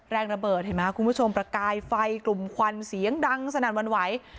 ระเบิดเห็นไหมคุณผู้ชมประกายไฟกลุ่มควันเสียงดังสนั่นวันไหว